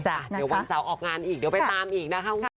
เดี๋ยววันเสาร์ออกงานอีกเดี๋ยวไปตามอีกนะคะคุณผู้ชม